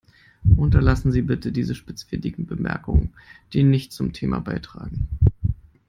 Unterlassen Sie bitte diese spitzfindigen Bemerkungen, die nichts zum Thema beitragen.